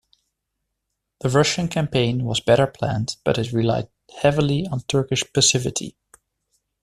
The Russian campaign was better planned, but it relied heavily on Turkish passivity.